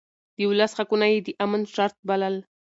د ولس حقونه يې د امن شرط بلل.